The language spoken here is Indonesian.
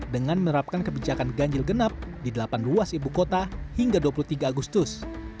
dengan menerapkan kebijakan ganjil genap di delapan ruas ibu kota hingga dua puluh tiga agustus